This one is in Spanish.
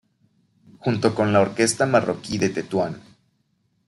Junto con la Orquesta marroquí de Tetuán.